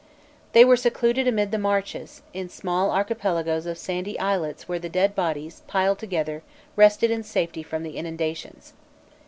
They were secluded amid the marshes, in small archipelagoes of sandy islets where the dead bodies, piled together, rested in safety from the inundations.